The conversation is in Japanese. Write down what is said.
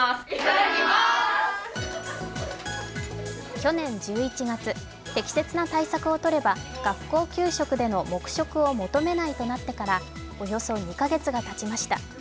去年１１月、適切な対策をとれば学校給食での黙食を求めないとなってから、およそ２か月がたちました。